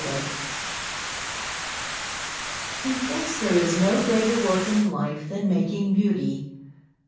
BEAUTY MAKING Methinks there is no greater work in life Than making beauty.